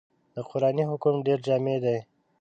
دا قرآني حکم ډېر جامع دی.